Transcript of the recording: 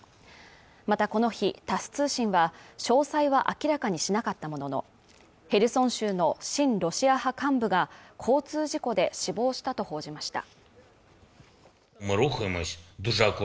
またこの日タス通信は詳細は明らかにしなかったもののヘルソン州の親ロシア派幹部が交通事故で死亡したと報じました